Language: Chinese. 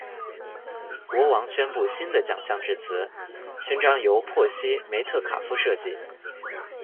国王宣布新的奖项致辞：勋章由珀西·梅特卡夫设计。